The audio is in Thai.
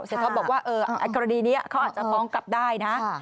ท็อปบอกว่ากรณีนี้เขาอาจจะฟ้องกลับได้นะ